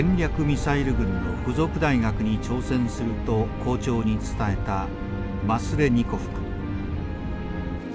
ミサイル軍の付属大学に挑戦すると校長に伝えたマスレニコフ君。